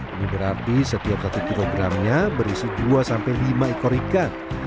ini berarti setiap satu kilogramnya berisi dua sampai lima ekor ikan